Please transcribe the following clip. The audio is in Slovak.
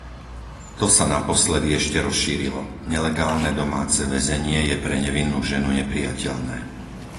To sa naposledy ešte rozšírilo. Nelegálne domáce väzenie je pre nevinnú ženu neprijateľné.